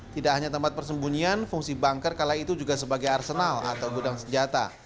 tidak hanya tempat persembunyian fungsi banker kala itu juga sebagai arsenal atau gudang senjata